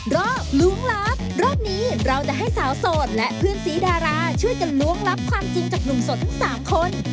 ล้วงลับรอบนี้เราจะให้สาวโสดและเพื่อนสีดาราช่วยกันล้วงลับความจริงจากหนุ่มโสดทั้ง๓คน